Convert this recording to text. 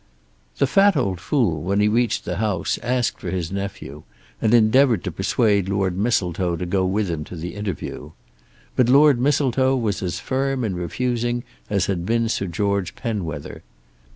"The fat old fool" when he reached the house asked for his nephew and endeavoured to persuade Lord Mistletoe to go with him to the interview. But Lord Mistletoe was as firm in refusing as had been Sir George Penwether.